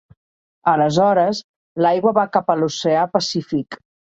Aleshores, l'aigua va cap a l'oceà Pacífic.